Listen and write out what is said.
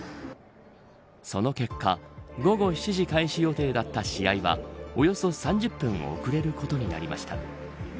その結果、午後７時開始予定だった試合はおよそ３０分遅れることになりました。